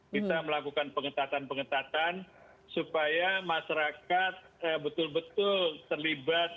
kita melakukan pengetatan pengetatan supaya masyarakat betul betul terlibat